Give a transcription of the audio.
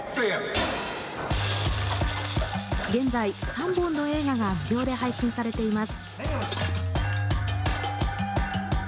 現在、３本の映画が無料で配信されています。